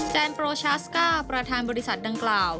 แซนโปรชาสก้าประธานบริษัทดังกล่าว